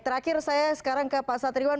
terakhir saya sekarang ke pak satriwan